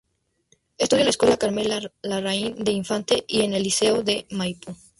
Estudió en la Escuela Carmela Larraín de Infante y en el Liceo de Maipú.